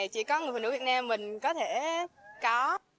chỉ có người phụ nữ việt nam mình có thể có